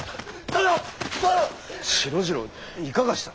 四郎次郎いかがした？